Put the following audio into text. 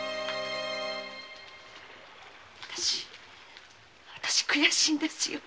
私悔しいんですよ。